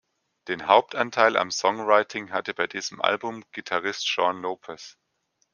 Den Hauptanteil am Songwriting hatte bei diesem Album Gitarrist Shaun Lopez.